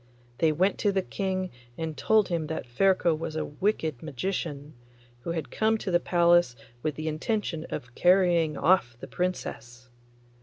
They went to the King and told him that Ferko was a wicked magician, who had come to the palace with the intention of carrying off the Princess.